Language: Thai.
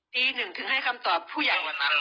ตีหนึ่งถึงให้คำตอบผู้ใหญ่